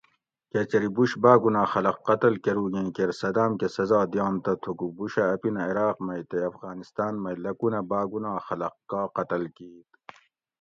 کہ چری بُش باگناہ خلق قتل کروگیں کیر صدام کہ سزا دیانت تہ تھوکو بُشہ اپینہ عراق مئ تے افغانستان مئ لکونہ باگناہ خلق کا قتل کِیت